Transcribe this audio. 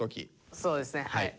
そうですねはい。